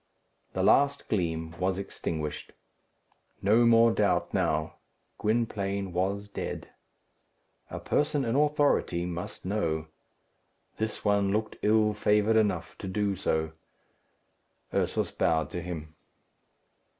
The last gleam was extinguished. No more doubt now. Gwynplaine was dead. A person in authority must know. This one looked ill favoured enough to do so. Ursus bowed to him.